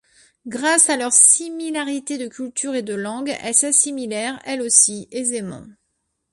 Grâce à leurs similarités de culture et de langue, elles s'assimilèrent, elles aussi, aisément.